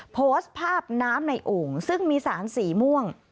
โพสต์ภาพน้ำในโอ่งซึ่งมีสารสีม่วง